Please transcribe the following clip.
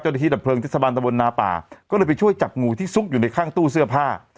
ที่ดับเพลิงเทศบาลตะบนนาป่าก็เลยไปช่วยจับงูที่ซุกอยู่ในข้างตู้เสื้อผ้า